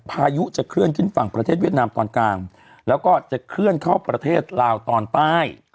พายุจะเคลื่อนขึ้นฝั่งประเทศเวียดนามตอนกลางแล้วก็จะเคลื่อนเข้าประเทศลาวตอนใต้